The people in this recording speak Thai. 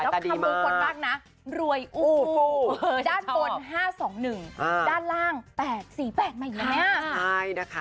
เร็วมาก